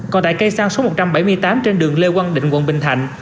còn tại cây xăng số một trăm bảy mươi tám trên đường lê quang định quận bình thạnh